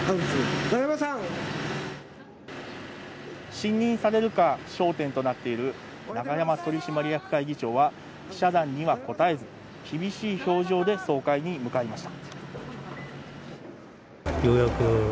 新任されるか焦点となっている永山取締役会議長は、記者団には応えず、厳しい表情で総会に向かいました。